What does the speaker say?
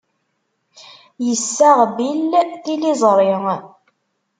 Yessaɣ Bill tiliẓri.